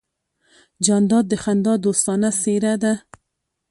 جانداد د خندا دوستانه څېرہ ده.